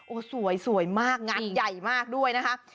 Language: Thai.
โอ้โหสวยสวยมากงานใหญ่มากด้วยนะคะ